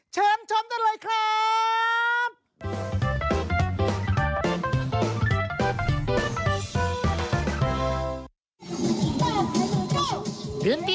เชิญชมได้เลยครับ